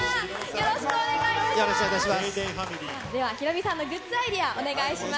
よろしくお願いします。